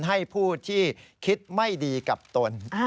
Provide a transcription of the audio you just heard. ให้ผู้ที่คิดไม่ดีกับตน